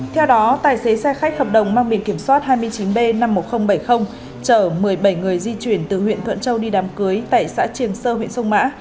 theo đó tài xế xe khách hợp đồng mang biển kiểm soát hai mươi chín b năm mươi một nghìn bảy mươi chở một mươi bảy người di chuyển từ huyện thuận châu đi đám cưới tại xã triềng sơ huyện sông mã